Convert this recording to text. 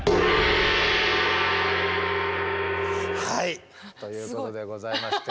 はいということでございまして。